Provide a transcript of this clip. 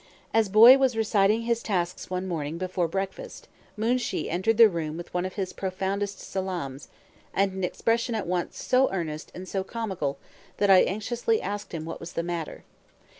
As Boy was reciting his tasks one morning before breakfast, Moonshee entered the room with one of his profoundest salaams, and an expression at once so earnest and so comical that I anxiously asked him what was the matter.